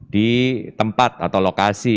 di tempat atau lokasi